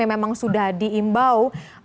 yang memang sudah diimbau